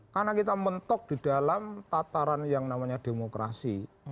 karena kita mentok di dalam tataran yang namanya demokrasi